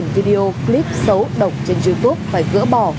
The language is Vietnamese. video clip xấu độc trên youtube phải gỡ bỏ